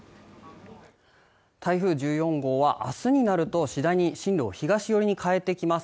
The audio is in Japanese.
台風１４号はあすになると次第に進路を東寄りに変えてきます